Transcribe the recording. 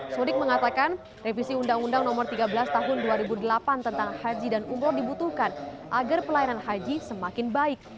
sodik mengatakan revisi undang undang nomor tiga belas tahun dua ribu delapan tentang haji dan umroh dibutuhkan agar pelayanan haji semakin baik